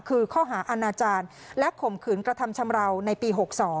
คือข้อหาอาณาจารย์และข่มขืนกระทำชำราวในปี๖๒